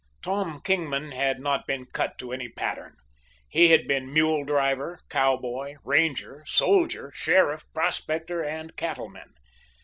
Tom Kingman had not been cut to any pattern. He had been mule driver, cowboy, ranger, soldier, sheriff, prospector, and cattleman.